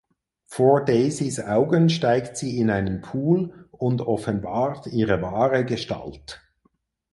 Vor Daiseys Augen steigt sie in einen Pool und offenbart ihre wahre Gestalt.